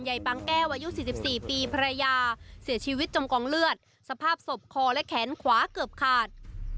ใยปังแก้วอายุสี่สิบสี่ปีพระยาเสียชีวิตจมกองเลือดสภาพศพคอและแขนขวาเกือบขาด